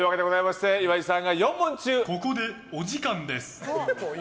ここでお時間です。